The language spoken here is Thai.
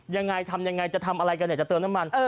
ยังไงทำยังไงจะทำอะไรกันเนี่ยจะเติมน้ำมัน